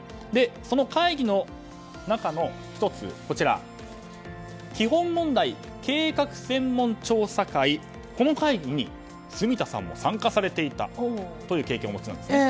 その会議の中の１つ基本問題・計画専門調査会この会議に住田さんも参加されていたという経験をお持ちなんですね。